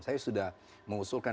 saya sudah mengusulkan